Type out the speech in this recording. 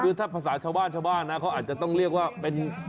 คือถ้าภาษาชาวบ้านชาวบ้านนะเขาอาจจะต้องเรียกว่าเป็น